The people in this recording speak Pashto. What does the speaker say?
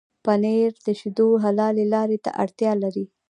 پنېر د شيدو حلالې لارې ته اړتيا لري.